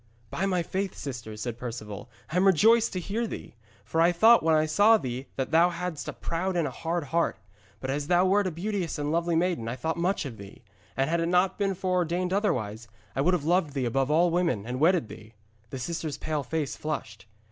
'By my faith, sister,' said Perceval, 'I am rejoiced to hear thee. For I thought when I saw thee that thou hadst a proud and a hard heart. But as thou wert a beauteous and lovely maiden I thought much of thee; and had it not been foreordained otherwise, I would have loved thee above all women and wedded thee.' The sister's pale face flushed.